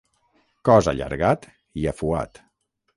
Cos allargat i afuat.